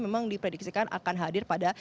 memang diprediksikan akan hadir pada